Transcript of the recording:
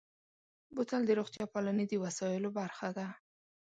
بوتل د روغتیا پالنې د وسایلو برخه ده.